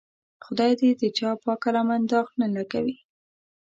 خدای دې د چا پاکه لمن داغ نه لګوي.